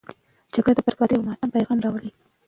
جګړه د بربادي او ماتم پیغام راوړي.